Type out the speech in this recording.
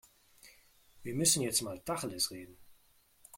Wir müssen jetzt mal Tacheles reden.